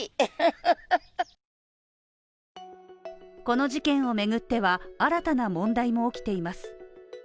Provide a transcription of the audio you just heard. この事件を巡っては、新たな問題も起きています。